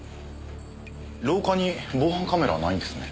廊下に防犯カメラはないんですね。